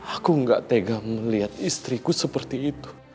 aku gak tega melihat istriku seperti itu